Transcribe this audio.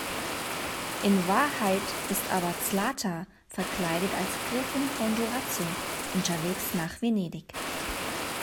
In Wahrheit ist aber Zlata verkleidet als Gräfin von Durazzo unterwegs nach Venedig.